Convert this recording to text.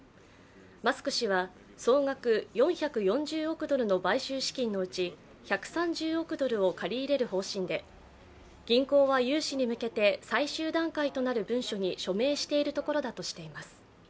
マスク氏は総額４４０億ドルの買収資金のうち１３０億ドルを借り入れる方針で、銀行は融資に向けて最終段階となる文書に署名しているところだとしています。